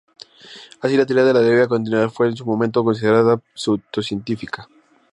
Así, la teoría de la deriva continental fue, en su momento, considerada pseudocientífica.